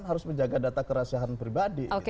harus menjaga data kerasihan pribadi